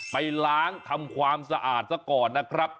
ไปล้างทำความสะอาดซะก่อนนะครับ